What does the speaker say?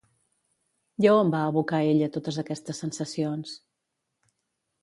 I a on va abocar ella totes aquestes sensacions?